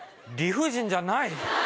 不尽じゃない。